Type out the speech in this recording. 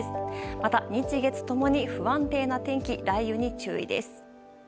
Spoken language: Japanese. また、日月ともに不安定な天気、雷雨に注意です。